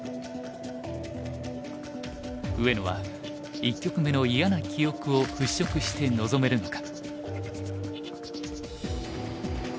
上野は一局目の嫌な記憶を払拭して臨めるのか。